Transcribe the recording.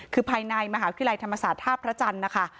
คือภายในมหาวิทยาลัยธรรมศาสตร์ท่าพระจันทร์นะคะ